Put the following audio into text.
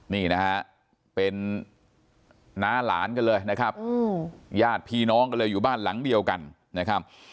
นี่นะฮะเป็นน้าหลานกันเลยนะครับญาติพี่น้องก็เลยอยู่บ้านหลังเดียวกันนะครับ